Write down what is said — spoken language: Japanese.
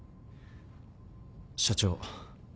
社長。